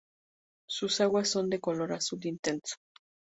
Sus aguas son de color azul intenso.